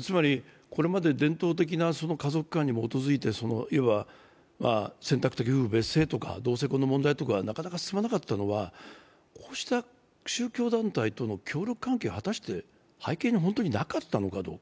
つまり、これまで伝統的な家族観に基づいて選択的夫婦別姓とか同性婚問題がなかなか進まなかったのはこうした宗教団体との協力関係が果たして、本当に背後になかったのか。